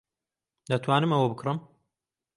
دەتوانم ئەوە بکڕم؟